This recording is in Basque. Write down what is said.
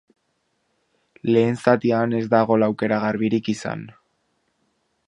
Lehen zatian ez da gol aukera garbirik izan.